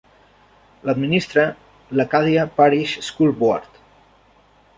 L'administra l'Acadia Parish School Board.